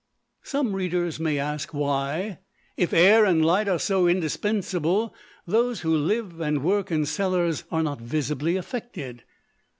Some readers may ask why, if air and light are so indispensable, those who live and work in cellars are not visibly affected.